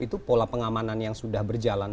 itu pola pengamanan yang sudah berjalan